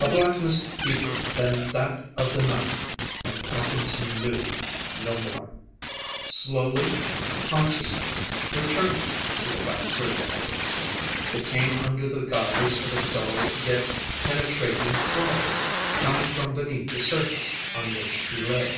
A blackness deeper than that of the night and Parkinson knew no more.... Slowly consciousness returned to the bacteriologist. It came under the guise of a dull, yet penetrating throbbing coming from beneath the surface on which he lay.